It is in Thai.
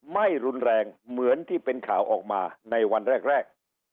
ไม่รุนแรงเหมือนที่เป็นข่าวออกมาในวันแรก